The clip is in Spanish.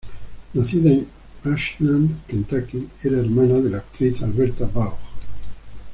Nacida en Ashland, Kentucky, era hermana de la actriz Alberta Vaughn.